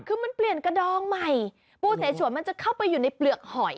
คือมันเปลี่ยนกระดองใหม่ปูเสฉวนมันจะเข้าไปอยู่ในเปลือกหอย